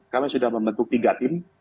kami sudah membentuk tiga tim